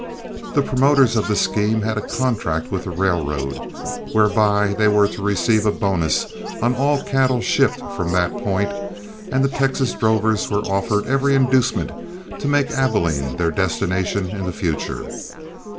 The promoters of the scheme had a contract with the railroad, whereby they were to receive a bonus on all cattle shipped from that point, and the Texas drovers were offered every inducement to make Abilene their destination in the future.